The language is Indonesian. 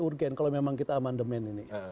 urgen kalau memang kita amandemen ini